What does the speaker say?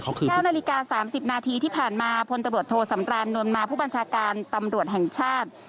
เวลานาฬิกา๓๐นาทีที่ผ่านมาพศสำตรานวนมาพบังชาการตำรวจแห่งชาติ